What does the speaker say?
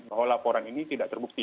bahwa laporan ini tidak terbukti